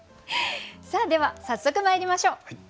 さあでは早速まいりましょう。